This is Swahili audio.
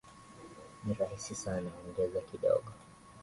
Ni rahisi sana, ongeza kidogo